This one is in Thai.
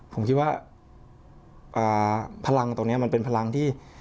ผมคิดว่าพลังตรงนี้มันเป็นพลังที่